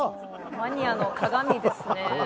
マニアのかがみですね。